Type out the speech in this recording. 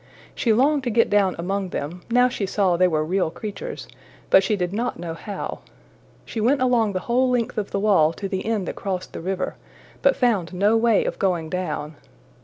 She longed to get down among them, now she saw they were real creatures, but she did not know how. She went along the whole length of the wall to the end that crossed the river, but found no way of going down.